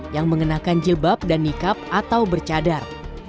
yang mengenakan jilbab dan nikab atau bercadar